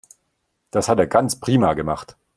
Das hat er ganz prima gemacht.